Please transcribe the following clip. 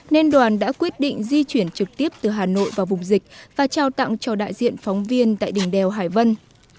nên đoàn đã quyết định di chuyển trực tiếp từ hà nội vào vùng dịch và trao tặng cho đại diện phóng viên tại đỉnh đèo hải vân